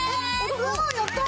うわやった！